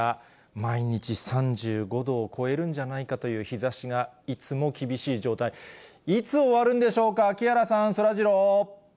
毎日３５度を超えるんじゃないかという日ざしがいつも厳しい状態、いつ終わるんでしょうか、木原さん、そらジロー。